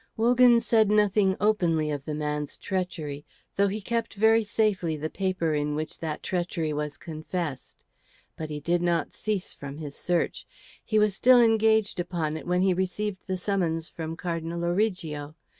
Wogan said nothing openly of the man's treachery, though he kept very safely the paper in which that treachery was confessed. But he did not cease from his search. He was still engaged upon it when he received the summons from Cardinal Origo.